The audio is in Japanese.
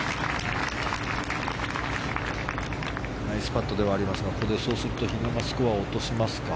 ナイスパットではありますがそうするとここで比嘉はスコアを落としますか。